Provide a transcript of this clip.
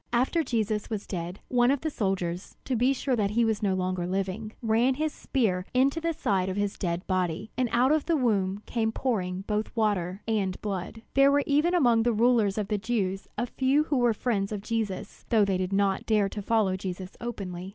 After Jesus was dead, one of the soldiers, to be sure that he was no longer living, ran his spear into the side of his dead body; and out of the wound came pouring both water and blood. There were even among the rulers of the Jews a few who were friends of Jesus, though they did not dare to follow Jesus openly.